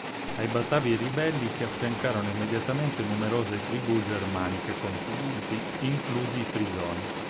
Ai Batavi ribelli si affiancarono immediatamente numerose tribù germaniche confinanti, inclusi i Frisoni.